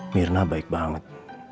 mirna baik banget